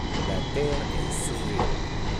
La Terre est sauvée.